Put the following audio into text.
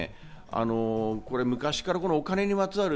昔からお金にまつわる。